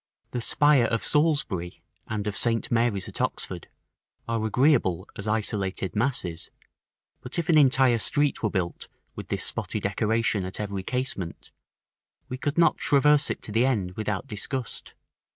The spire of Salisbury, and of St. Mary's at Oxford, are agreeable as isolated masses; but if an entire street were built with this spotty decoration at every casement, we could not traverse it to the end without disgust.